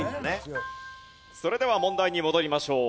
それでは問題に戻りましょう。